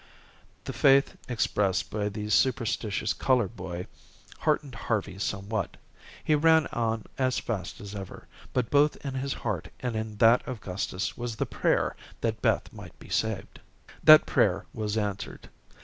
The faith expressed by the superstitious colored boy heartened Harvey somewhat. He ran on as fast as ever, but both in his heart and in that of Gustus was the prayer that Beth might be saved. That prayer was answered.